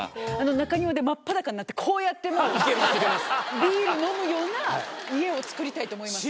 中庭で真っ裸になって、こうやってもう、ビール飲むような家を造りたいと思いました。